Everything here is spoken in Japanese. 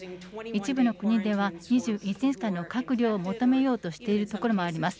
一部の国では２週間の隔離を求めようとしているところもあります。